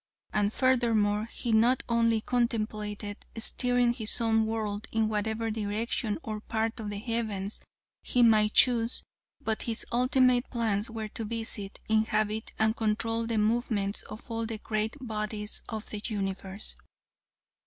And furthermore, he not only contemplated steering his own world in whatever direction or part of the heavens he might choose, but his ultimate plans were to visit, inhabit and control the movements of all the great bodies of the universe.